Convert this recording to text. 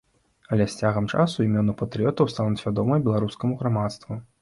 Але з цягам часу імёны патрыётаў стануць вядомыя беларускаму грамадству.